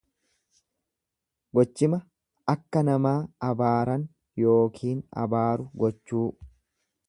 Gochima akka namaa abaaran yookiin abaaru gochuu.